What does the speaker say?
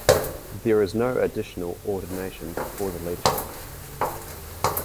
There is no additional ordination for the leadership.